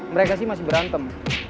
mereka sih masih berantem